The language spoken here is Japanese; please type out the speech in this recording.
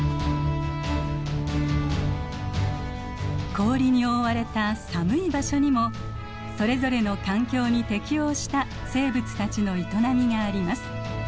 氷に覆われた寒い場所にもそれぞれの環境に適応した生物たちの営みがあります。